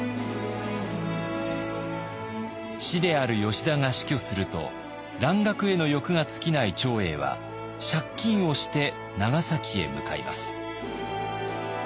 師である吉田が死去すると蘭学への欲が尽きない長英は借金をして長崎へ向かいます。